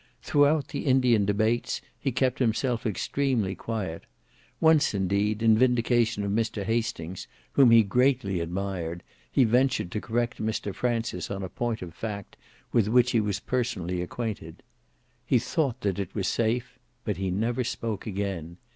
Throughout the Indian debates he kept himself extremely quiet; once indeed in vindication of Mr Hastings, whom he greatly admired, he ventured to correct Mr Francis on a point of fact with which he was personally acquainted. He thought that it was safe, but he never spoke again.